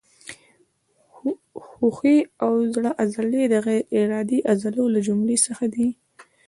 ښویې او د زړه عضلې د غیر ارادي عضلو له جملو څخه دي.